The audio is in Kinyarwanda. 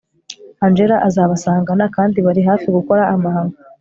angella azabasangana kandi bari hafi gukora amahano